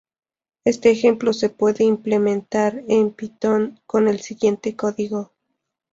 Este ejemplo se puede implementar en Python con el siguiente código.